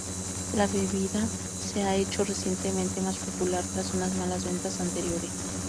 La bebida se ha hecho recientemente más popular, tras unas malas ventas anteriores.